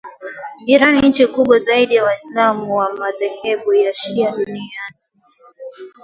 Iran nchi kubwa zaidi ya waislam wa madhehebu ya shia duniani